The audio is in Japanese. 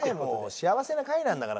幸せな回なんだから。